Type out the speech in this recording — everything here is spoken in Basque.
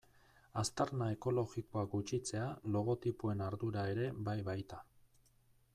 Aztarna ekologikoa gutxitzea logotipoen ardura ere bai baita.